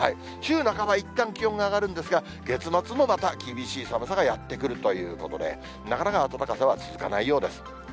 週半ば、いったん気温が上がるんですが、月末もまた厳しい寒さがやって来るということで、なかなか暖かさは続かないようです。